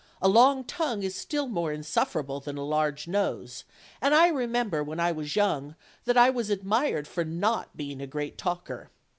A long tongue is still more in sufferable than a large nose, and I remember when I was young that I was admired for not being a great talker.